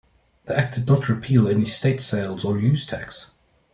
The Act did not repeal any state sales or use tax.